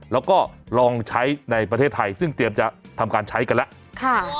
แล้วก็ลองใช้ในประเทศไทยซึ่งเตรียมจะทำการใช้กันแล้ว